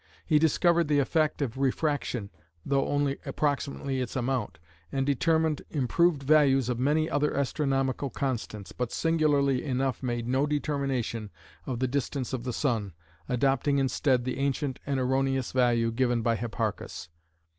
He discovered the effect of refraction, though only approximately its amount, and determined improved values of many other astronomical constants, but singularly enough made no determination of the distance of the sun, adopting instead the ancient and erroneous value given by Hipparchus.